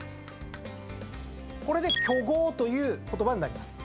これで倨傲という言葉になります。